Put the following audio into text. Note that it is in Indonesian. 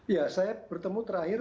ya saya bertemu terakhir